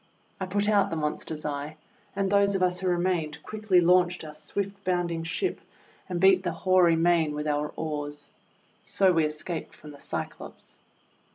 I put out the monster's eye; and those of us who remained quickly launched our swift bounding ship and beat the hoary main with our oars. So we escaped from the Cyclops.